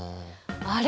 あれ？